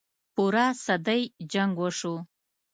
پوره صدۍ جـنګ وشو.